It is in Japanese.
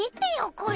これ。